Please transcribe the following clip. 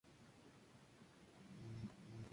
Hulk Hogan fue anunciado para ocupar un lugar destacado.